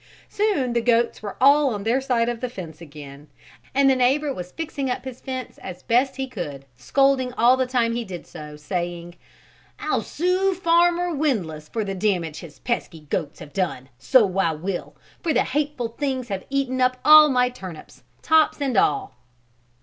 Soon the goats were all on their side of the fence again and the neighbor was fixing up his fence as best he could, scolding all the time he did so, saying: "I'll sue Farmer Windlass for the damage his pesky goats have done, so I will, for the hateful things have eaten up all my turnips, tops and all!"